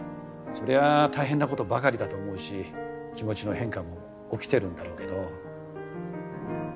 そりゃあ大変なことばかりだと思うし気持ちの変化も起きてるんだろうけど。